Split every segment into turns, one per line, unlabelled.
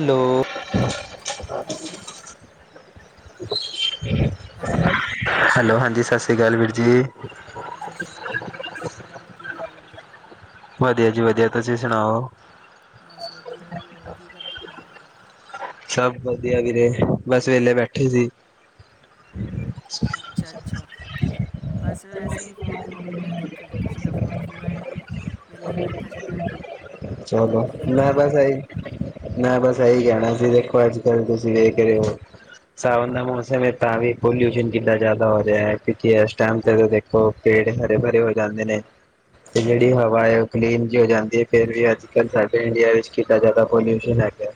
Hello.
Hello.
[unintelligible]
Hello.
Hello ਹਾਂਜੀ ਸਤਿ ਸ਼੍ਰੀ ਅਕਾਲ ਵੀਰ ਜੀ।
ਹਾਂਜੀ ਸਤਿ ਸ਼ੀ ਅਕਾਲ ਵੀਰ ਜੀ ਸਤਿ ਸ਼ੀ ਅਕਾਲ ਹੋਰ ਕੀ ਹਾਲ ਹੈ?
ਵਧੀਆ ਜੀ ਵਧੀਆ ਤੁਸੀਂ ਸੁਣਾਓ?
ਬਸ ਵਧੀਆ ਜੀ ਹੋਰ ਕੀ ਕਰਦੇ ਪਏ ਅੱਜ ਕੱਲ?
ਅੱਛਾ ਸਭ ਵਧੀਆ ਵੀਰੇ ਬਸ ਵੇਲੇ ਬੈਠੇ ਸੀ।
ਅੱਛਾ ਅੱਛਾ ਬਸ ਵੈਸੇ ਹੀ ਫੋਨ ਫੂਨ ਮੈਂ ਦੇਖਾਂ ਕਿਸੇ ਦਾ ਫੋਨ ਫੋਨ ਆਏਗਾ। ਵਿਹਲਾ
[unintelligible]
ਹੀ ਬੈਠਾ ਸੀ ਮੈਂ ਵੀ ਤੁਹਾਡਾ ਹੀ ਫੋਨ
ਮੈਂ
ਆ
ਤੇ
ਗਿਆ ਫਿਰ
ਸਹੀ। ਮੈਂ ਬਸ ਇਹੀ ਕਹਿਣਾ ਸੀ ਦੇਖੋ ਅੱਜ ਕੱਲ ਤੁਸੀਂ ਵੇਖ ਰਹੇ ਹੋ। ਸਾਵਨ ਦਾ ਮੌਸਮ ਹੈ ਤਾਂ ਵੀ ਪੋਲਿਊਸ਼ਨ ਕਿੰਨਾ ਜ਼ਿਆਦਾ ਹੋ ਰਿਹਾ ਹੈ ਕਿਉਂਕਿ ਇਸ ਟਾਈਮ ਤੇ ਉਹ ਪੇੜ ਹਰੇ ਭਰੇ ਹੋ ਜਾਂਦੇ ਨੇ ਤੇ ਜਿਹੜੀ ਹਵਾ। ਕਲੀਨ ਜ ਹੋ ਜਾਂਦੀ ਹੈ ਫਿਰ ਵੀ ਅੱਜ ਕੱਲ ਸਾਡੇ ਇੰਡੀਆ ਵਿੱਚ ਕਿਦ ਜ਼ਿਆਦਾ ਪੋਲਿਊ ਹੈਗਾ।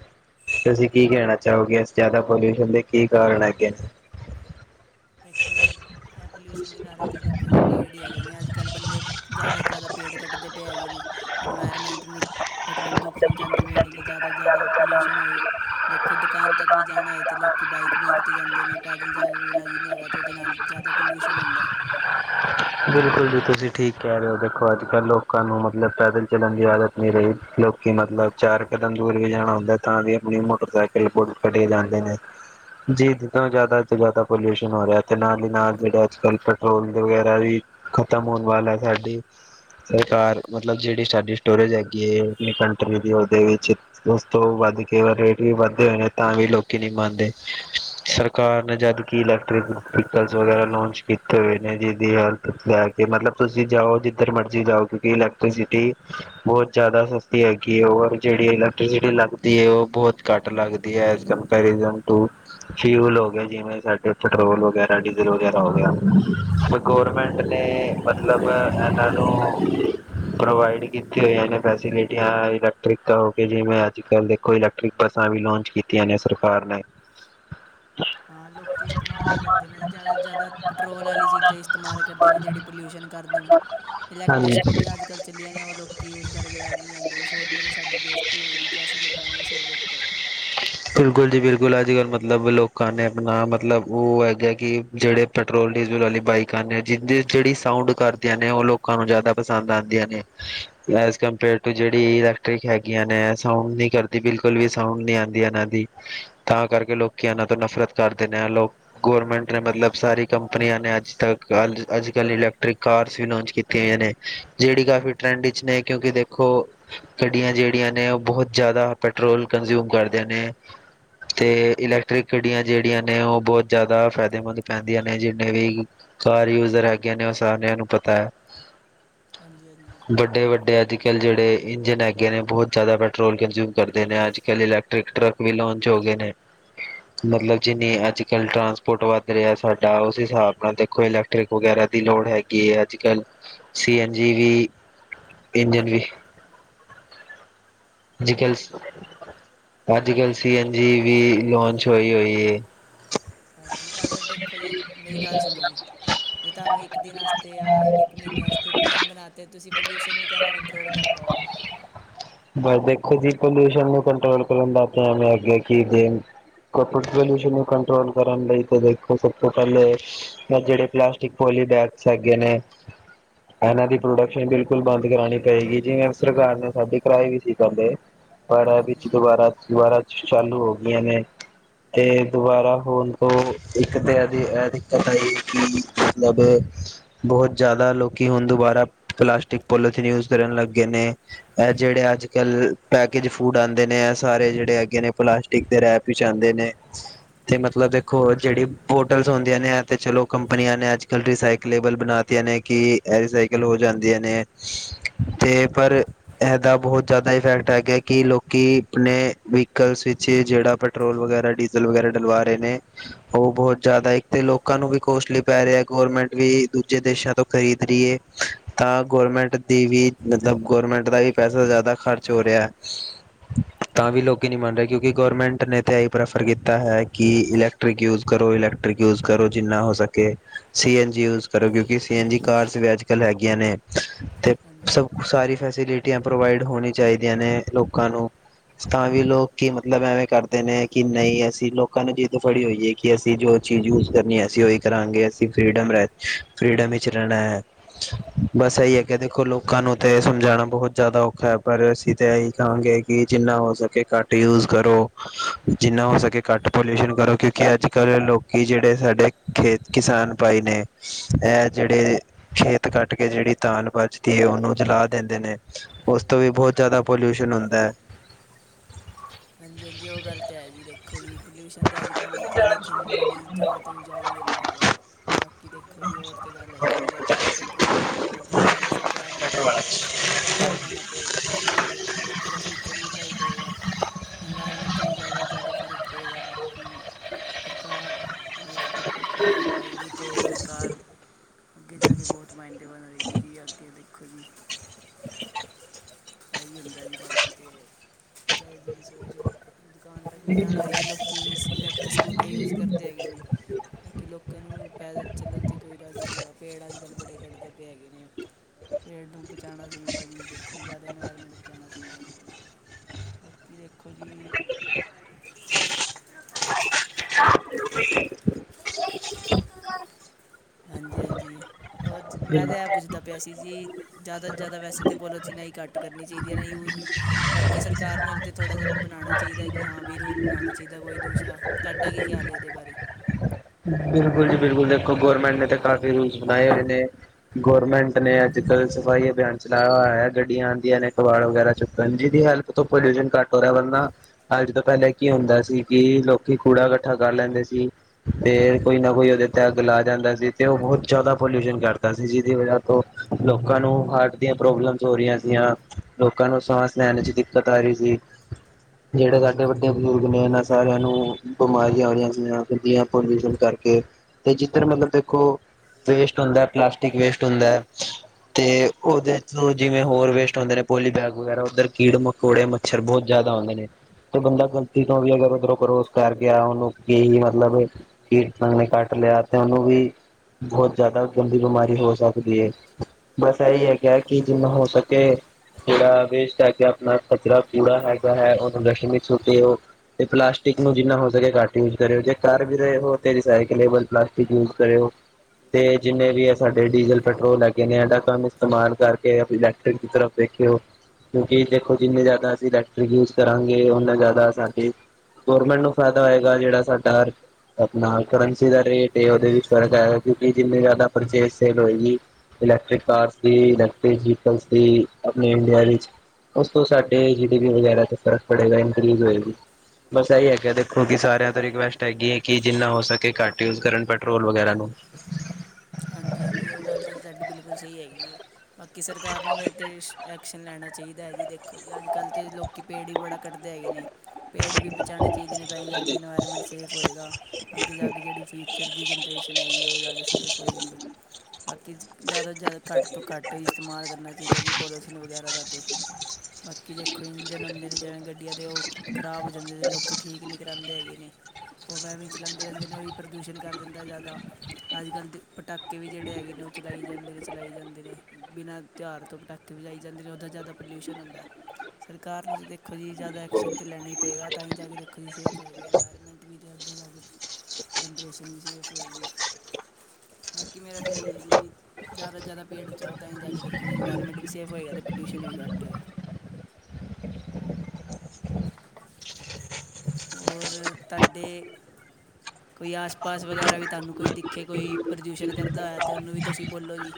ਤੁਸੀਂ ਕੀ ਕਹਿਣਾ ਚਾਹੋਗੇ ਅ ਜ਼ਿਆਦਾ ਪੋਲਿਊਸ਼ਨ ਦੇ ਕੀ ਕਾਰਨ ਹੈਗੇ।
ਦੇਖੋ ਜੀ ਅਰ ਪੋਲਿਊਸ਼ਨ ਦੇ ਕਾਰਨ ਤੇ ਦੇਖੋ ਜੀ ਪੇੜ ਹੀ ਹੈਗੇ ਨੇ ਅੱਜ। ਅੱਜ ਕੱਲ ਬੰਦੇ ਜ਼ਿਆਦਾ ਤੋਂ ਜ਼ਿਆਦਾ ਪੇੜ ਕੱਢਦੇ ਪਏ ਹੈਗੇ ਨੇ ਇਨਵਾਇਰਮੈਂਟ ਨੂੰ ਮਤਲਬ ਦੁੱਖ ਪਹੁੰਚਾਦੇ ਪਏ ਨੇ ਕਿ ਜ਼ਿਆਦਾ ਤੋਂ ਜ਼ਿਆਦਾ ਪਲਊਸ਼ਨ ਹੋਏ। ਦੇਖੋ ਦੁਕਾਨ ਤੱਕ ਵੀ ਜਾਣਾ ਹੋਏ ਤੇ ਲੋਕੀ ਬਾਈਕ ਬੁਇਕ ਤੇ ਜਾਂਦੇ ਨੇ ਪੈਦਲ ਜਾ ਕੇ ਕੋ ਰਾਜੀ। ਨਹੀਂ ਹੈਗਾ ਅਤੇ ਉਹਦੇ ਨਾਲ ਜ਼ਿਆਦਾ ਪਲਿਊਸ਼ਨ ਹੁੰਦਾ।
ਬਿਲਕੁਲ ਜੀ ਤੁਸੀਂ ਠੀਕ ਕਹਿ ਰਹੇ ਹੋ ਦੇਖੋ ਅੱਜ ਕੱਲ ਲੋਕ ਲੋਕਾਂ ਨੂੰ ਮਤਲਬ ਪੈਦਲ ਚੱਲਣ ਦੀ ਆਦਤ ਨਹੀਂ ਰਹੀ ਲੋਕ ਮਤਲਬ ਚਾਰ ਕਦਮ ਦੂਰ ਵੀ ਜਾਣਾ ਹੁੰਦਾ ਤਾਂ ਵੀ ਆਪਣੀ ਮੋਟਰਸਾਈਕਲ ਫੁੱਟ ਪੱਤੇ ਜਾਂਦੇ ਨੇ। ਜੀ ਜਦੋਂ ਜ਼ਿਆਦਾ ਤੋਂ ਜ਼ਿਆਦਾ ਪਲੂਸ਼ਨ ਹੋ ਰਿਹਾ ਤੇ ਨਾਲ ਹੀ ਨਾਲ ਜਿਹੜੇ ਅੱਜ ਕੱਲ ਪੈਟਰੋਲ ਦੇ ਵਗੈਰਾ ਵੀ ਖਤਮ ਹੋਣ ਵਾਲ ਹੈ ਸਾਡੀ ਸਰਕਾਰ ਮਤਲਬ ਜਿਹੜੀ ਸਟੱਡੀ ਸਟੋਰੇਜ ਹੈਗੀ ਹੈ ਆਪਣੀ ਕੰਟਰੀ ਦੀ ਉਹਦੇ ਵਿੱਚ ਉਸਤ ਤੋਂ ਵੱਧ ਕੇ ਰੇਟ ਵੀ ਵੱਧਦੇ ਹੋਏ ਨੇ ਤਾਂ ਵੀ ਲੋਕੀ ਨੀ ਮੰਨਦੇ ਸਰ ਕਾਰ ਨੇ ਜਦ ਕਿ ਇਲੈਕਟ੍ਰਿਕ ਵਕਲਸ ਵਗੈਰਾ ਲੋਂਚ ਕੀਤੇ ਹੋਏ ਨੇ ਜਿਹਦੀ ਗੱਲ ਲੈ ਕੇ ਮਤਲਬ ਤੁਸੀਂ ਜਾਓ ਜਿੱਧਰ ਮਰਜੀ ਜਾਓ ਕਿਉਂਕਿ ਇਲੈਕਟ੍ਰੀਸਿਟੀ ਬਹੁਤ ਜਿਆਦਾ ਸਸਤੀ ਹੈਗੀ ਹੈ ਉਹ ਜਿਹੜੀ ਇਲੈਕਟ੍ਰੀਸਿਟੀ ਲੱਗਦੀ ਹੈ ਉਹ ਬਹੁਤ ਘੱਟ ਲੱਗਦੀ। ਐ ਕਪੈਰਜ਼ਨ ਟੂ ਫਿਊਲ ਹੋ ਗਿਆ ਜਿਵੇਂ ਸਾਡੇ ਪੈਟਰੋਲ ਵਗੈਰਾ ਡੀਜ਼ਲ ਵਗੈਰਾ ਹੋ ਗਿਆ। ਗੌਰਮੈਂਟ ਨੇ ਮਤਲਬ
ਹਾਂਜੀ
ਐ
[inaudible]
ਪ੍ਰੋਵਾਈਡ ਕੀਤੀ ਹੋਈਆਂ ਨੇ ਫੈਸਿਲਿਟੀਆਂ ਇਲੈਕਟ੍ਰਿਕ ਹੋ ਕੇ ਜਿਵੇਂ ਅੱਜ ਕੱਲ ਦੇਖੋ ਠੀਕ ਬੱਸਾਂ ਵੀ ਲੌਂਚ ਕੀਤੀਆਂ ਨੇ ਸਰਕਾਰ ਨੇ।
ਹਾਂ, ਲੋਕੀਂ ਇਸਤੇਮਾਲ ਨੀ ਕਰਦੇ ਨੇ ਜੈਦਾ ਤੋਂ ਜੈਦਾ ਪੈਟਰੋਲ ਆਲੀ ਚੀਜ਼ਾਂ ਇਸਤੇਮਾਲ ਕਰਦੇ ਨੇ ਜੇੜੀ ਪੋਲਿਊਸ਼ਨ ਕਰ ਦੇਨ।
[inaudible]
ਇਲੈਕਟ੍ਰਿਕ ਸਕੂਟੀਆਂ ਅੱਜ-ਕੱਲ ਚੱਲੀਆਂ ਨੇ, ਉਹ ਲੋਕੀ ਯੂਜ਼ ਕਰਕੇ ਰਾਜੀ ਨੀ ਆਂਦੇਨ, ਉਹ ਸੋਚਦੇ ਨੇ ਸਾਡੀ ਬੇਸ ਤੀ ਹੋਏਗੀ ਕੈਸੇ ਲੱਗਾਂਗੇ ਅਸੀਂ ਉਹਦੇ ਉਪਰ
[inaudible] ਬਿਲਕੁਲ ਜੀ ਬਿਲਕੁਲ ਅੱਜ ਕੱਲ ਮਤਲਬ ਲੋਕਾਂ ਨੇ ਅਪਣਾ ਮਤਲਬ ਉਹ ਹੈਗਾ ਕਿ ਜੇੜੇ ਪੈਟਰੋਲ, ਡੀਜ਼ਲ ਵਾਲੀ ਬਾਈਕਾਂ ਨੇ ਜਿਦੀ ਜੇੜੀ ਸਾਊਂਡ ਕਰਦੀਆਂ ਨੇ ਉਹ ਲੋ ਕਾਂ ਨੂੰ ਜੈਦਾ ਪਸੰਦ ਆਂਦੀਆਂ ਨੇ। ਐਜ ਕੰਪੇਅਰ ਟੂ ਜੇੜੀ ਇਲੈਕਟ੍ਰਿਕ ਹੈਗੀਆਂ ਨੇ ਸਾਊਂਡ ਨੀ ਕਰਦੀ ਬਿਲ ਕੁਲ ਵੀ ਸਾਊਂਡ ਨੀ ਆਂਦੀ ਇਹਨਾਂ ਦੀ, ਤਾਂ ਕਰਕੇ ਲੋਕੀਂ ਇਹਨਾਂ ਤੋਂ ਨਫ਼ਰਤ ਕਰਦੇ ਨੇ ਐ ਲੋ ਗਵਰਮੈਂਟ ਨੇ ਮਤਲਬ ਸਾਰੀ ਕੰਪਨੀਆਂ ਨੇ ਅੱਜ ਤੱਕ ਅੱਜ ਕੱਲ ਇਲੈਕਟ੍ਰਿਕ ਕਾਰਸ ਵੀ ਲਾਂਚ ਕੀ [unintelligible] ਜੇੜੀ ਕਾਫ਼ੀ ਟਰੈਂਡ ਇਚ ਨੇ ਕਿਉਂਕਿ ਦੇਖੋ ਗੱਡੀਆਂ ਜੇੜੀਆਂ ਨੇ ਉਹ ਬਹੁਤ ਜੈਦਾ ਪੈਟਰੋਲ ਕੰਜ਼ਿਊਮ ਕਰਦਿਆਂ ਨੇ ਤੇ ਇਲੈਕਟ੍ਰਿਕ ਗੱਡੀਆਂ ਜੇੜੀਆਂ ਨੇ ਉਹ ਬੌਤ ਜੈਦਾ ਫਾਇਦੇਮੰਦ ਪੈਂਦੀਆਂ ਨੇ, ਜਿੰਨੇ ਵੀ ਕਾਰ ਯੂਜ਼ਰ ਹੈਗੀਆਂ ਨੇ ਉਹ ਸਾਰਿਆਂ ਨੂੰ ਪਤਾ ਐ।
ਹਾਂਜੀ-ਹਾਂਜੀ।
ਵੱਡੇ-ਵੱਡੇ, ਅੱਜ-ਕੱਲ ਜੇੜੇ ਇੰਜਨ ਹੈਗੇ ਨੇ ਬੌਤ ਜੈਦਾ ਪੈਟਰੋਲ ਕੰਜ਼ਿਊਮ ਕਰਦੇ ਨੇ, ਅੱਜ-ਕੱਲ ਇਲੈਕ ਟ੍ਰਿਕ ਟ੍ਰਕ ਵੀ ਲੋਂਚ ਹੋ ਗਏ ਨੇ। ਮਤਲਬ ਜਿੰਨੀ ਅੱਜ-ਕੱਲ ਟਰਾਂਸਪੋਰਟ ਵੱਧ ਰਿਆ ਸਾਡਾ ਉਸ ਹਿਸਾਬ ਨਾਲ ਦੇਖੋ ਇਲੈਕ ਟ੍ਰਿਕ ਵਗੈਰਾ ਦੀ ਲੋੜ ਹੈਗੀ ਏ ਅੱਜ-ਕੱਲ। ਸੀ ਐਨਜੀ ਵੀ, ਇੰਜਨ ਵੀ ਜੀ ਕਲਸ ਅੱਜ-ਕੱਲ ਸੀ ਐਨ ਜੀ ਵੀ ਲਾਂਚ ਹੋਈ ਹੋਈ ਏ।
ਹਾਂਜੀ, ਏ ਅਗਰ ਦੇਖੋ ਜੀ, ਮੇਰੀ ਗੱਲ ਸੁਣੋ ਜੀ, ਜੇ ਤੁਆਨੂੰ ਇੱਕ ਦਿਨ ਆਸਤੇ ਆ ਇੱਕ ਇੱਕ ਮਹੀਨੇ ਆਸਤੇ ਪੀ ਐਮ ਬਣਾ ਤੇ ਤੁਸੀਂ ਪੋਲਊਸ਼ਨ ਨੂੰ ਕੈਵੇਂ ਕੰਟਰੋਲ ਕਰ ਪਾਓਗੇ।
ਬਸ ਦੇਖੋ ਜੀ ਪੋਲਊਸ਼ਨ ਨੂੰ ਕੰਟਰੋਲ ਕਰਨ ਦਾ ਪਲੈਨ ਲੈ ਕੇ ਕਿ ਜੇ ਪ ਪੋਲਊਸ਼ਨ ਨੂੰ ਕੰਟਰੋਲ ਕਰਨ ਲਈ ਤੇ ਦੇਖੋ ਸਭ ਤੋਂ ਪਹਿਲੇ ਐ ਜੇੜੇ ਪਲਾਸਟਿਕ ਪੋਲੀ ਬੈਗਸ ਹੈਗੇ ਨੇ ਇਹਨਾਂ ਦੀ ਪ੍ਰੋਡਕਸ਼ਨ ਬਿਲਕੁਲ ਬੰਦ ਕਰਾਣੀ ਪਏਗੀ, ਜਿਵੇਂ ਸਰਕਾਰ ਨੇ ਸਾਡੀ ਕਰਾਈ ਵੀ ਸੀ ਕਰਦੇ। ਪਰ ਐ ਵਿੱਚ
ਹਾਂਜੀ ਹਾਂਜੀ
ਦੁਬਾਰਾ, ਦੁਬਾਰਾ ਚਾਲੂ ਹੋ ਗਈਆਂ ਨੇ। ਤੇ ਦੁਬਾਰਾ ਹੋਣ ਤੋਂ ਇੱਕ ਤੇ ਐਦੀ ਐ ਦਿੱਕਤ ਹੈਗੀ [unintelligible] ਕਿ ਮਤਲਬ ਏ। ਬੌਤ ਜੈਦਾ ਲੋਕੀ ਹੁਣ ਦੁਬਾਰਾ ਪਲਾਸਟਿਕ ਪੋਲੀਥੀਨ ਯੂਜ ਕਰਨ ਲੱਗ ਗਏ ਨੇ। ਇਹ ਜਿਹੜੇ ਅੱਜ-ਕੱਲ ਪੈਕੇਜ ਫੂਡ ਆਂਦੇ ਨੇ, ਇਹ ਸਾਰੇ ਜੇੜੇ ਹੈਗੇ ਨੇ ਪਲਾ ਸਟਿਕ ਦੇ ਰੈਪ ਚ ਆਂਦੇ ਨੇ। ਤੇ ਮਤਲਬ ਵੇਖੋ ਜੇੜੀ ਬੋਟਲਸ ਹੁੰਦੀਆ ਨੇ, ਐ ਤੇ ਚਲੋ ਕੰਪਨੀਆਂ ਨੇ ਅੱਜ-ਕੱਲ ਰੀਸਾਈਕਲੇਬਲ ਬਣਾ ਦਿਤੀਆਂ ਨੇ ਕਿ ਐ ਰੀਸਾਈਕਲ ਹੋ ਜਾਂਦੀਆਂ ਨੇ, ਤੇ ਪਰ ਇਹਦਾ ਬੌਤ ਜੈਦਾ ਇਫੈਕਟ ਹੈਗਾ ਕਿ ਲੋਕੀ ਅਪਣੇ ਵਹੀਕਲਸ ਵਿੱਚ ਜੇੜਾ ਪ ਟਰੋਲ ਵਗੈਰਾ ਡੀਜ਼ਲ ਵਗੈਰਾ ਡਲਵਾ ਰਏ ਨੇ ਉਹ ਬੌਤ ਜੈਦਾ, ਇੱਕ ਤੇ ਲੋਕਾਂ ਨੂੰ ਵੀ ਕੋਸਟਲੀ ਪੈ ਰਿਆ ਗੌਰਮੈਂਟ ਵੀ ਦੂਜੇ ਦੇਸ਼ਾਂ ਤੋਂ ਖਰੀਦ ਰੀ ਏ ਤਾਂ ਗੌਰਮੈਂਟ ਦੀ ਵੀ ਮਤਲਬ ਗੌਰਮੈਂਟ ਦਾ ਵੀ ਪੈਸਾ ਜੈਦਾ ਖਰਚ ਹੋਰਿਆ। ਤਾਂ ਵੀ ਲੋਕੀ ਨੀ ਮੰਨ ਰਏ ਕਿਉਂਕਿ ਗੌਰਮੈਂਟ ਨੇ ਤੇ ਇਹੀ ਪ੍ਰੈਫਰ ਕੀਤਾ ਹੈ ਕਿ ਇਲੈਕ ਟ੍ਰਿਕ ਯੁਜ ਕਰੋ, ਇਲੈਕਟ੍ਰਿਕ ਯੁਜ ਕਰੋ ਜਿਨ੍ਹਾਂ ਹੋ ਸੱਕੇ, ਸੀ ਐਨ ਜੀ ਯੁਜ ਕਰੋ ਕਿਉਂਕਿ ਸੀ ਐਨ ਜੀ ਕਾਰਸ ਵੀ ਅੱਜ-ਕੱਲ ਹੈਗੀਆਂ ਨੇ ਤੇ
ਹਾਂਜੀ ਹਾਂਜੀ
ਸਬ ਸਾਰੀ ਫੈਸਿਲੀ ਟੀਆਂ ਪ੍ਰੋਵਾਈਡ ਹੋਣੀ ਚਾਈਦੀਆਂ ਨੇ ਲੋਕਾਂ ਨੂੰ ਤਾਂ ਵੀ ਲੋਕ ਕੀ ਮਤਲਬ ਐਵੇਂ ਕਰਦੇ ਨੇ ਕਿ ਨਈ ਅਸੀਂ ਲੋਕਾਂ ਨੂੰ ਜਿੱਦ ਫੜੀ ਹੋਈ ਏ। ਕਿ ਅਸੀਂ ਜੋ ਚੀਜ਼ ਯੂਜ ਕਰਨੀ ਹੈ ਅਸੀਂ ਉਹੀ ਕਰਾਂਗੇ ਅਸੀਂ ਫਰੀਡਮ ਰਹਿ ਫਰੀਡਮ ਵਿੱਚ ਰਹਿਣਾ ਹੈ ਬਸ
ਹਾਂਜੀ
ਇਹੀ ਹੈ ਕਿ
ਹਾਂਜੀ
ਦੇਖੋ ਲੋਕ ਲੋਕਾਂ ਨੂੰ ਤੇ ਸਮਝਾਉਣਾ ਬਹੁਤ ਜ਼ਿਆਦਾ ਔਖਾ ਹੈ ਪਰ ਅਸੀਂ ਤਾਂ ਇਹੀ ਕਹਾਂਗੇ ਕਿ ਜਿੰਨਾ ਹੋ ਸਕੇ ਘੱਟ, ਤੇ ਯੂਸ ਕਰੋ। ਜਿੰਨਾ ਹੋ ਸਕੇ ਘੱਟ ਪੋਲਿਊਸ਼ਨ ਕਰੋ ਕਿਉਂਕਿ ਅੱਜ ਕੱਲ੍ਹ ਲੋਕੀ ਜਿਹੜੇ ਸਾਡੇ, ਖੇਤ ਕਿਸਾਨ ਭਾਈ ਨੇ। ਇਹ ਜਿਹੜੇ ਖੇਤ ਕੱਟ ਕੇ ਜਿਹੜੀ ਧਾਨ ਬਜਦੀ ਹੈ ਉਹਨੂੰ ਜਲਾ ਦਿੰਦੇ ਨੇ। ਉਸ ਤੋਂ ਵੀ ਬਹੁਤ ਜ਼ਿਆਦਾ ਪੋਲਿਊਸ਼ਨ ਹੁੰਦਾ ਹੈ।
ਹਾਂਜੀ ਹਾਂਜੀ, ਉਹ ਗੱਲ ਤਾਂ ਹੈ ਜੀ ਦੇਖੋ ਜੀ ਪੋਲਿਊਸ਼ਨ ਤਾਂ ਅੱਜ ਕੱਲ੍ਹ ਪੋਲੋਥੀਨ ਵਾਲੀ ਜਗ੍ਹਾ ਤੇ ਵੀ ਜ਼ਿਆਦਾ ਹੀ ਜਾਂਦਾ ਹੈਗਾ। ਬਾਕੀ ਦੇਖੋ ਜੀ ਹੋਰ ਤਾਂ ਗੱਲ ਹੈਗੀ ਹੈ ਦੇਖੋ ਜੀ ਕੰਟਰੋਲ ਕਰਨਾ ਬਹੁਤ ਜ਼ਰੂਰੀ ਹੈਗਾ ਸਰਕਾਰ ਨੂੰ ਅਤੇ, ਸਟਿਕਟ ਐਕਸ਼ਨ ਲੈਣਾ ਪਵੇਗਾ ਤਾਂ ਹੀ ਜਾ ਕੇ ਦੇਖੋ ਜੀ ਅੱਗੇ ਦਾ ਫਿਊਚਰ ਵੀ ਬਰਾਈਟ ਹੋਏਗਾ। ਇਨਵਾਇਰਮੈਂਟ ਤੇ ਵੀ ਜ਼ਿਆਦਾ ਤੋਂ ਜ਼ਿਆਦਾ ਫਰਕ ਪਏਗਾ ਬਾਕੀ, ਸਰਕਾਰ ਸਟ੍ਰਿਕਟ ਐਕਸ਼ਨ ਲੈ ਪਾਏਗੀ। ਅਤੇ ਸਰਕਾਰ ਅੱਗੇ ਜਾ ਕੇ ਬਹੁਤ ਮਾਇੰਦੇ ਬਣ ਰਏਗੀ ਜੀ ਅੱਗੇ ਦੇਖੋ ਜੀ।
[unintelligible]
ਆ ਹੀ ਹੁੰਦਾ ਜੀ ਬਾਕੀ ਅਤੇ ਜਾਏ ਦੀ ਰ ਸੋਚ, ਦੁਕਾਨ ਤੱਕ ਵੀ ਜਾਣਾ ਹੈ ਜੀ ਲੋਕੀ ਇਲੈਕਟ੍ਰਿਕ ਸਕੂਟੀਆਂ ਯੂਜ ਕਰਦੇ ਹੈਗੇ ਨੇ। ਬਾਕੀ ਲੋਕਾਂ ਨੂੰ ਪੈਦਲ ਚੱਲਣ ਤੇ ਕੋਈ ਰਾਜ ਹੀ ਨਹੀਂ ਹੈਗਾ ਪੇੜ ਅੱਜ ਕੱਲ੍ਹ ਬੜੇ ਕੱਢਦੇ ਪਏ ਹੈਗੇ ਨੇ ਆ। ਪੇਡ ਨੂੰ ਬਚਾਉਣਾ ਚਾਹੀਦਾ ਜੀ ਦੇਖੋ ਜ਼ਿਆਦਾ ਇਨਵਾਇਰਮੈਂਟ ਬਚਾਉਣਾ ਚਾਹੀਦਾ ਬਾਕੀ ਦੇਖੋ ਜੀ।
[unintelligible]
ਹਾਂਜੀ-ਹਾਂਜੀ, ਹੋਰ ਮੈਂ ਤਾਂ ਇਹ ਪੁੱਛਦਾ ਵੈਸੇ ਜੀ ਜ਼ਿਆਦਾ ਤੋਂ ਜ਼ਿਆਦਾ ਵੈਸੇ ਤਾਂ ਪੋਲੋਥੀ ਨਾ ਹੀ ਘੱਟ ਕਰਨੀ ਚਾਹੀਦੀ ਇਹ ਨਾ ਯੂਜ਼। ਬਾਕੀ ਸਰਕਾਰ ਨੂੰ ਇਹਦੇ ਤੇ ਥੋੜ੍ਹਾ ਜਿਹਾ ਬਣਾਉਣਾ ਚਾਹੀਦਾ ਹੈ ਕਿ ਹਾਂ ਵੀ ਰੂਲ ਬਣਾਉਣਾ ਚਾਹੀਦਾ ਕੋਈ ਦੂਸਰਾ। ਤੁਹਾਡਾ ਕੀ ਖਿਆਲ ਹੈ ਇਹਦੇ ਬਾਰੇ।
ਬਿਲਕੁਲ ਜੀ ਬਿਲਕੁਲ ਦੇਖੋ ਗੌਰਰਮੈਂਟ ਨੇ ਤੇ ਕਾਫੀ ਰੂਲਸ ਬਣਾਏ ਹੋਏ ਨੇ। ਗੌਰਮੈਂਟ ਨੇ ਅੱਜ ਕੱਲ੍ਹ ਸਫ਼ਾਈ ਅਭਿਆਨ ਚਲਾਇਆ ਹੋਇਆ ਹੈ ਗੱਡੀਆਂ ਆਉਂਦੀਆਂ ਨੇ ਕਬਾੜ ਵਗੈਰਾ ਚੁੱਕਣ ਜਿਹਦੀ ਹਾਲ ਪ੍ਰੋਲਿਊਸ਼ਨ ਕੱਟ ਰਿਹਾ ਲੈਬਲ ਨਾਲ। ਅੱਜ ਤੋਂ ਪਹਿਲਾਂ ਕੀ ਹੁੰਦਾ ਸੀ ਕਿ ਲੋਕੀ ਕੂੜਾ ਇਕੱਠਾ ਕਰ ਲੈਂਦੇ ਸੀ। ਫੇਰ ਕੋਈ ਨਾ ਕੋਈ ਉਹਦੇ ਤੇ ਅੱਗ ਲਾ ਜਾਂਦਾ ਸੀ ਤੇ ਉਹ ਬਹੁਤ ਜ਼ਿਆਦਾ ਪੋਲਿਊਸ਼ਨ ਕਰਦਾ ਸੀ ਜਿਹਦੀ ਵਜ੍ਹਾ ਲੋਕਾਂ ਨੂੰ ਹਾਰਟ ਦੀਆਂ ਪ੍ਰੋਬਲਮਸ ਹੋ ਰਹੀਆਂ ਸੀ ਲੋਕਾਂ ਨੂੰ ਸਾਂਸ ਲੈਣ ਚ ਦਿੱਕਤ ਆ ਰਹੀ ਸੀ। ਜਿਹੜੇ ਸਾਡੇ ਵੱਡੇ ਬਜ਼ੁਰਗ ਨੇ ਇਹਨਾਂ ਸਾਰਿਆਂ ਨੂੰ ਬਿਮਾਰੀਆਂ ਹੋਈਆਂ ਸੀਗੀਆਂ ਪੋਲਿਊਸ਼ਨ ਕਰਕੇ ਤੇ ਜਿੱਧਰ ਮਤਲਬ ਦੇਖੋ ਵੇਸਟ ਹੁੰਦਾ ਪਲਾਸਟਿਕ ਵੇਸਟ ਹੁੰਦਾ ਹੈ। ਤੇ ਉਹਦੇ ਚ ਜਿਵੇਂ ਹੋਰ ਵੇਸਟ ਹੁੰਦੇ ਨੇ ਪੋਲੀ ਬੈਗ ਵਗੈਰਾ ਉੱਧਰ ਕੀੜ ਕੂੜੇ ਮੱਛਰ ਬਹੁਤ ਜ਼ਿਆਦਾ ਆਉਂਦੇ ਨੇ। ਤੇ ਬੰਦਾ ਗਲਤੀ ਤੋਂ ਵੀ ਅਗਰ ਉਧਰੋਂ ਕਰੋਸ ਕਰਕੇ ਉਹਨੂੰ ਕਿ ਹੀ ਮਤਲਬ, ਕੀਟਨਾਗ ਨੇ ਕੱਟ ਲਿਆ ਤੇ ਉਹਨੂੰ ਵੀ ਬਹੁਤ ਜ਼ਿਆਦਾ ਗੰਦੀ ਬਿਮਾਰੀ ਹੋ ਸਕਦੀ ਹੈ। ਬਸ ਇਹੀ ਹੈ ਕਿਹਾ ਕਿ ਜਿੰਨਾ ਹੋ ਸਕੇ। ਜਿਹੜਾ ਵੇਸਟ ਕਰਕੇ ਆਪਣਾ ਖਚਰਾ ਕੂੜਾ ਹੈਗਾ ਹੈ ਉਹਨੂੰ ਲਸ਼ਮਿਕ ਕੇ ਉਹ ਤੇ ਪਲਾਸਟਿਕ ਨੂੰ ਜਿੰਨਾ ਹੋ ਸਕੇ ਘੱਟ ਯੂਜ ਕਰਿਓ ਜੇ ਘਰ, ਰਹੇ ਹੋ ਰਿਸਾਇਕੇਬਲ ਪਲਾਸਟਿਕ ਯੂਜ ਕਰੇਓ। ਤੇ ਜਿੰਨੇ ਵੀ ਆ ਸਾਡੇ ਡੀਜ਼ਲ ਪੈਟਰੋਲ ਹੈਗੇ ਨੇ ਇਹਦਾ ਕੰਮ ਇਸਤੇਮਾਲ ਕਰਕੇ ਫਿਰ ਕੀ ਤਰ੍ਹਾਂ ਦੇਖੇ ਹੋ। ਕਿਉਂਕਿ ਦੇਖੋ ਜਿੰਨੇ ਜ਼ਿਆਦਾ ਅਸੀਂ ਇਲੈਕਟ੍ਰਿਕ ਯੂਜ ਕਰਾਂਗੇ ਓਨਾ ਜ਼ਿਆਦਾ ਸਾਡੇ, ਗੌਰਰਮੈਂਟ ਨੂੰ ਫਾਇਦਾ ਹੋਏਗਾ ਜਿਹੜਾ ਸਾਡਾ, ਆਪਣਾ ਕਰੰਸੀ ਦਾ ਰੇਟ ਹੈ ਉਹਦੇ ਵਿੱਚ ਫਰਕ ਹੈਗਾ ਕਿਉਂਕਿ ਜਿੰਨੀ ਜ਼ਿਆਦਾ ਪਰਚੇਸ ਸੇਲ ਹੋਏਗੀ। ਇਲੈਕਟ੍ਰਿਕ ਕਾਰ ਸੀ ਇਲੈਕਟ੍ਰਿਕ ਵਹੀਕਲ ਸੀ ਆਪਣੇ ਇੰਡੀਆ ਵਿੱਚ ਉਸ ਤੋਂ ਸਾਡੇ ਜਿ ਵੀ ਵਗੈਰਾ ਤੇ ਫ਼ਰਕ ਪੇਗਾ ਇਨਕਰੀਜ਼ ਹੋਏਗੀ ਬਸ ਇਹੀ ਹੈ ਕਿ ਦੇਖੋ ਕਿ ਸਾਰਿਆਂ ਤੋਂ ਰਿਕੁਐਸਟ ਹੈਗੀ ਹੈ ਕਿ ਜਿੰਨਾ ਹੋ ਸਕੇ ਘੱਟ ਯੂਜ ਕਰਨ ਪੈਟਰੋਲ ਵਗੈਰਾ ਨੂੰ
ਹਾਂਜੀ ਹਾਂਜੀ ਉਹ ਗੱਲ ਤਾਂ ਸਾਡੀ ਬਿਲਕੁਲ ਸਹੀ ਹੈਗੀ ਹੈ ਬਾਕੀ ਸਰਕਾਰ ਨੂੰ ਐਕਸ਼ਨ ਲੈਣਾ ਚਾਹੀਦਾ ਹੈ ਜੀ ਦੇਖੋ ਜੀ ਅੱਜ ਕੱਲ੍ਹ ਤਾਂ ਲੋਕ ਪੇੜ ਵੀ ਬੜਾ ਕੱਟਦੇ ਹੈਗੇ ਨੇ। ਪੇੜ ਵੀ ਬਚਾਉਣੇ ਚਾਹੀਦੇ ਨੇ ਤਾਂ ਹੀ ਜਾ ਕੇ ਇਨਵਾਇਰਮੈਂਟ ਸੇਫ ਹੋਏਗਾ ਅੱਗੇ ਜਾ ਕੇ ਜਿਹੜੀ ਫਿਊਚਰ ਦੀ ਜਨਰੇਸ਼ਨ ਹੈਗੀ ਹੈ ਉਹ ਜਾ ਕੇ ਸੇਫ ਬਾਕੀ ਜਿਆਦਾ ਤੋਂ ਜਿਆਦਾ ਘੱਟ ਤੋਂ ਘੱਟ ਇਸਤੇਮਾਲ ਕਰਨਾ ਚਾਹੀਦਾ ਜੀ ਪੋਲੋ ਥੀਨ ਵਗੈਰਾ ਤੇ ਬਾਕੀ ਦੇਖੋ ਇੰਜਨ ਹੁੰਦੇ ਨੇ ਜਿਵੇਂ ਗੱਡੀਆਂ ਦੇ ਉਹ ਖਰਾਬ ਹੋ ਜਾਂਦੇ ਨੇ ਲੋਕੀ ਠੀਕ ਨ ਚਉਂਦੇ ਹੈਗੇ ਨੇ ਉਹ ਫੈ ਵੀ ਚਲਾਉਂਦੇ ਰਹਿੰਦੇ ਨੇ ਉਹੀ ਪ੍ਰਦੂਸ਼ਣ ਕਰ ਦਿੰਦਾ ਜ਼ਿਆਦਾ ਅੱਜ ਕੱਲ੍ਹ ਦੇ ਪਟਾਕੇ ਵੀ ਜਿਹੜੇ ਹੈਗੇ ਨੇ ਉਹ ਚਲਾਈ ਜਾਂਦੇ ਨੇ ਚਲਾਈ ਜਾਂਦੇ ਨੇ ਬਿਨਾਂ ਤਿਉਹਾਰ ਤੋਂ ਪਟਾਕੇ ਉੱਥੇ ਬਜਾਈ ਜਾਂਦੀ ਨੇ ਉਹਦਾ ਜ਼ਿਆਦਾ ਪਲਊਸ਼ਨ ਹੁੰਦਾ ਸਰਕਾਰ ਨੂੰ ਤਾਂ ਦੇਖੋ ਜੀ ਜ਼ਿਆਦਾ ਐਕਸ਼ਨ ਤਾਂਤ ਲੈਣਾ ਹੀ ਪਏਗਾ ਤਾਂ ਹੀ ਜਾ ਕੇ ਦੇਖੋ ਜੀ ਸੇਫ ਹੋਏਗਾ ਇਨਵਾ [unintelligible] ਬਾਕੀ ਮੇਰਾ ਤਾਂ ਇ ਹੀ ਹੈ ਜੀ ਜਾਦਾ ਤੋਂ ਜਾਦਾ ਪੇੜ ਉਚਾਓ ਤਾਂ ਹੀ ਜਾ ਕੇਖੋ ਜੀ ਇਨਵਾਇਰਮੈਂਟ ਵੀ ਸੇਫ ਹੋਏਗਾ ਅਤੇੋਲਿਊਸ਼ਨ ਵੀ ਘੱਟ ਹੋਏਗਾ।
[inaudible]
ਔਰ ਤਾਡੇ
[inaudible]
ਕੋਈ ਆਸ ਪਾਸ ਵਗੈਰਾ ਵੀ ਤੁਹਾਨੂੰ ਕੋਈ ਦਿਖੇ ਕੋਈ ਪ੍ਰਦੂਸ਼ਣ ਕਰਦਾ ਹੋਇਆ ਤਾਂ ਉਹਨੂੰ ਵੀ ਤੁਸੀਂ ਬੋਲੋ ਜੀ।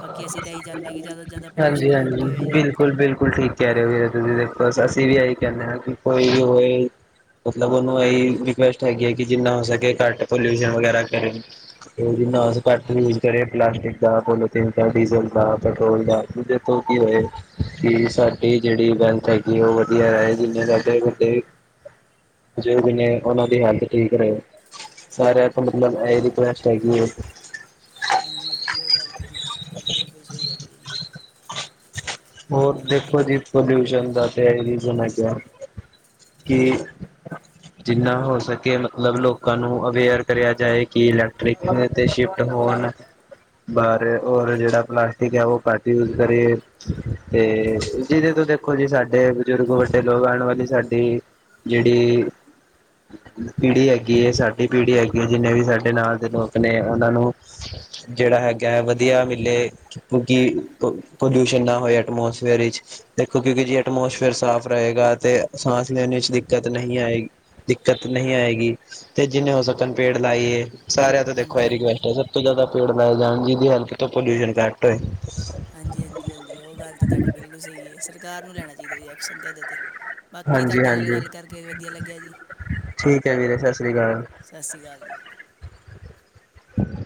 ਬਾਕੀ ਅਸੀਂ ਤਾਂ ਇਹ ਚਾਹੁੰਦੇ ਹਾਂ ਕਿ ਜਾਦਾ
ਹਾਂਜੀ-ਹਾਂਜੀ ਬਿਲਕੁਲ-ਬਿਲਕੁਲ ਠੀਕ। ਕਹਿ ਰਹੇ ਹੋ ਤੁਸੀਂ ਦੇਖੋ ਅਸੀਂ ਵੀ ਇਹੀ ਕਹਿੰਦੇ ਹਾਂ ਕਿ ਕੋਈ ਹੋਏ ਮਤਲਬ ਉਹਨੂੰ ਇਹੀ ਰਿਕੁਐਸਟ ਹੈਗੀ ਹੈ ਕਿ ਜਿੰਨਾ ਹੋ ਸਕੇ ਘੱਟ ਪੋਲਿਊ ਵਗੈਰਾ ਕਰੇ। ਜਿੰਨਾ ਹੋ ਸਕੇ ਘੱਟ ਯੂਜ ਕਰੇ ਪਲਾਸਟਿਕ ਦਾ, ਪੋਲੀਥਨ ਦਾ, ਡੀਜ਼ਲ ਦਾ, ਪੈਟਰੋਲ ਦਾ। [unintelligible] ਕੀ ਹੋਏ। ਕਿ ਸਾਡੀ ਜਿਹੜੀ ਬਲਥ ਹੈਗੀ ਉਹ ਵਧੀਆ ਰਹੇ ਜਿੰਨੇ ਸਾਡੇ ਵੱਡੇ ਜੋ ਵੀ ਨੇ ਉਹਨਾਂ ਦੀ ਹੈਲਥ ਠੀਕ ਰਹੇ ਸਾਰੇ ਮਤਲਬ ਇਹ ਰਿਕੁਐਸਟ ਹੈਗੀ ਹੈ।
ਹਾਂਜੀ ਜ ਉਹ ਗੱਲ ਤੁ ਤੁਹਾਡੀ ਬਿਲਕੁਲ ਸਹੀ ਹੈਗੀ ਹੈ।
ਹੋਰ ਦੇਖੋ ਜੀ ਪੋਲਿਊਸ਼ਨ ਦਾ ਤੇ ਇਹੀ ਰੀਜਨ ਹੈਗੇ ਆ। ਕਿ ਜਿੰਨਾ ਹੋ ਸਕੇ ਮਤਲਬ ਲੋਕਾਂ ਨੂੰ ਅਵੇਅਰ ਕਰਿਆ ਜਾਏ ਕਿ ਇਲੈਕਟ੍ਰ ਤੇ ਸ਼ਿਫਟ ਹੋਣ ਬਾਹਰ ਰ ਜਿਹੜਾ ਪਲਾਸਟਿਕ ਹੈ ਉਹ ਘੱਟ ਯੂਜ ਕਰੀਏ। ਤੇ ਜਿਹਦੇ ਤੂੰ ਦੇਖੋ ਜੀ ਸਾਡੇ ਬਜ਼ੁਰਗ ਵੱਡੇ ਲੋਕ ਆਉਣ ਵਾਲੀ ਸਾਡੀ ਜਿਹੜੀ ਪੀੜ੍ਹੀ ਹੈਗੀ ਹੈ ਸਾਡੀ ਪੀੜ੍ਹੀ ਹੈਗੀ ਹੈ ਜਿੰਨੇ ਵੀ ਸਾਡੇ ਨਾਲ ਦੇ ਲੋਕ ਨੇ ਉਹਨਾਂ ਨੂੰ ਜਿਹੜਾ ਹੈਗਾ ਹੈ ਵਧੀਆ ਮਿਲੇ ਕਿਉਂਕਿ ਇਨਾ ਹੋਏ ਐਟਮੋਸਫੇਅਰ ਵਿੱਚ ਦੇਖੋ ਕਿਉਂਕਿ ਜੀ ਐਟਮੋਸਫੇਅਰ ਸਾਫ਼ ਰਹੇਗਾ ਤੇ ਸਾਂਸ ਲੈਣ ਚ ਦਿੱਕਤ ਨਹੀਂ ਆਏਗੀ। ਦਿੱਕਤ ਨਹੀਂ ਆਏਗੀ ਤੇ ਜਿੰਨੇ ਹੋ ਸਕਣ ਪੇੜ ਲਾਈਏ। ਸਾਰਿਆਂ ਤੋਂ ਦੇਖੋ
ਹਾਂਜੀ
ਇਹ
ਹਾਂਜੀ
ਰੁਸਟ ਸਭ ਤੋਂ ਜ਼ਿਆਦਾ ਪੇੜ ਲਾਏ ਜਾਣ ਜਿਹਦੀ ਹੈਲਪ ਤੋਂ ਪੋਲਿਊ ਘੱਟ ਹੋਏ।
ਹਾਂਜੀ-ਹਾਂਜੀ, ਹਾਂਜੀ ਉਹ ਗੱਲ ਤਾਂ ਤੁਹਾਡੀ ਬਿਲਕੁਲ ਸਹੀ ਹੈ ਸਰਕਾਰ ਨੂੰ ਲੈਣਾ ਚਾਹੀਦਾ ਰਿ ਐਕਸ਼ਨ ਤੇ ਇਦੇ ਤੇ। ਬਾਕੀ
ਹਾਂਜੀ
ਤੁਹਾਡੇ ਨਾਲ
ਹਾਂਜੀ
ਗੱਲ ਕਰਕੇ ਵਧੀਆ ਲੱਗਿਆ ਜੀ।
ਠੀਕ ਹੈ ਵੀਰੇ ਸਤਿ ਸ੍ਰੀ ਅਕਾਲ
ਸਸ ਸ੍ਰੀ ਕਾਲ ਜੀ।
[inaudible]